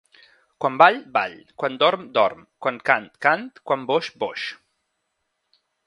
Quan ball, ball; quan dorm, dorm; quan cant, cant; quan boix, boix.